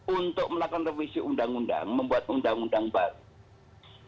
untuk melakukan revisi undang undang membuat undang undang baru